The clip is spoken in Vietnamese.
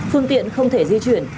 phương tiện không thể di chuyển